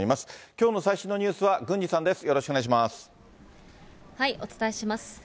きょうの最新のニュースは郡司さお伝えします。